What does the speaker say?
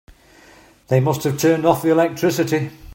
They must have turned off the electricity.